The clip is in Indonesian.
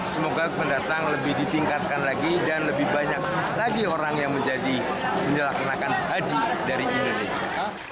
semoga pendatang lebih ditingkatkan lagi dan lebih banyak lagi orang yang menjadi menyelamatkan haji dari indonesia